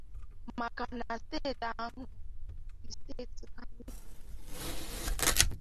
maka na steeti ahụ bụ steeti ha niile.